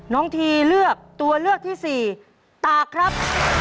น้องทีเลือกตัวเลือกที่สี่ตากครับ